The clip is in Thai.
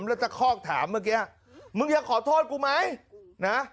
แล้วตะคอกถามเมื่อกี้มึงอยากขอโทษกูไหมนะ